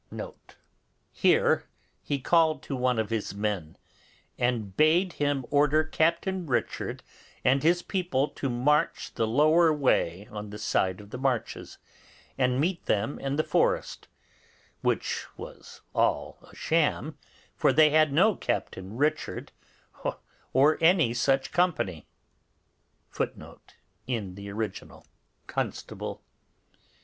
Here he called to one of his men, and bade him order Captain Richard and his people to march the lower way on the side of the marches, and meet them in the forest; which was all a sham, for they had no Captain Richard, or any such company. [Footnote in the original.] Constable.